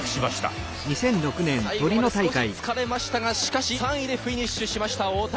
最後まで少し疲れましたがしかし３位でフィニッシュしました太田。